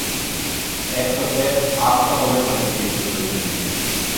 Έκτοτε άκουσα πολλές αδικίες στη ζωή μου.